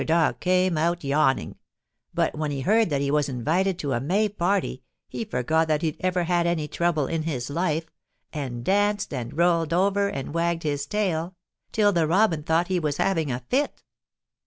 Dog came out yawning, but when he heard that he was invited to a May party he forgot that he'd ever had any trouble in his life, and danced and rolled over and wagged his tail, till the Robin thought he was having a fit.